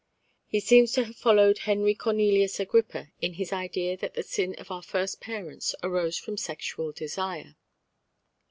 He seems to have followed Henri Cornelius Agrippa in his idea that the sin of our first parents arose from sexual desire.